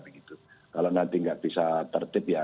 kalau nanti nggak bisa tertip ya